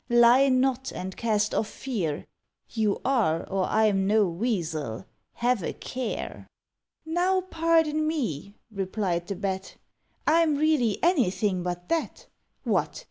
lie not, and cast off fear; You are; or I'm no Weasel: have a care." "Now, pardon me," replied the Bat, "I'm really anything but that. What!